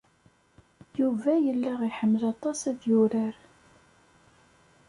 Yuba yella iḥemmel aṭas ad yurar